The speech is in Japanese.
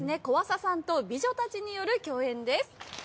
小朝さんと美女たちによる共演です。